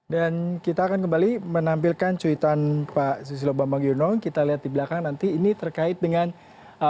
dan kita akan kembali menampilkan cuitan pak susilo bambang yudhoyono